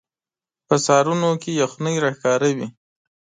په سهارونو کې یخنۍ راښکاره وي